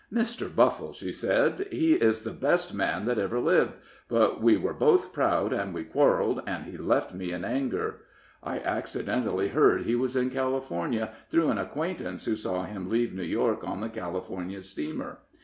"Mr. Buffle," she said, "he is the best man that ever lived. But we were both proud, and we quarrelled, and he left me in anger. I accidentally heard he was in California, through an acquaintance who saw him leave New York on the California steamer.